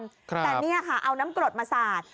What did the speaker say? แต่นี่ค่ะเอาน้ำกรดมาสาด